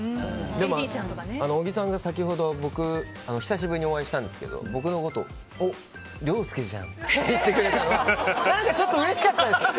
でも、小木さんが先ほど僕、久しぶりにお会いしたんですけど涼介じゃんって言ってくれたんですよ。